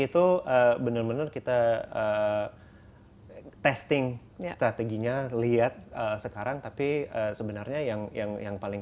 itu bener bener kita testing strateginya lihat sekarang tapi sebenarnya yang yang yang paling